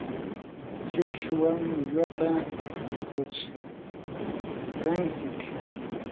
shukshuwan millwata putskantsik.